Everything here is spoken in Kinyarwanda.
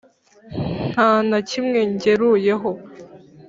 nta na kimwe ngeruyeho?